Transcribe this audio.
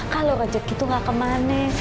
kalau rancut gitu gak kemana